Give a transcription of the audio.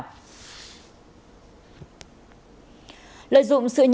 lợi dụng sự nhẹ dạ cả tin của đồng bào dân tộc mông